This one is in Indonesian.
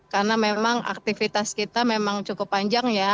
karena memang aktivitas kita memang cukup panjang ya